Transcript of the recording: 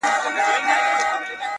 مي تاته شعر ليكه’